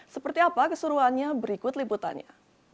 seperti apa keseruannya berikut liputannya